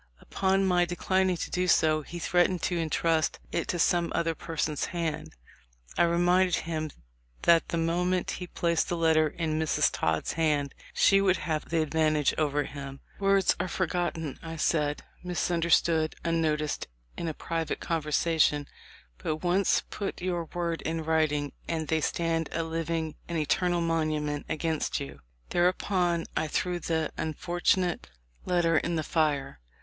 Upon my declining to do so he threatened to intrust it to some other person's hand. I reminded him that the moment he placed the letter in Miss Todd's hand, she would have the advantage over him. 'Words are forgotten,' I said, 'misunderstood, unnoticed in a private conver sation, but once put your words in writing and they stand a living and eternal monument against you.' Thereupon I threw the unfortunate letter in the fire.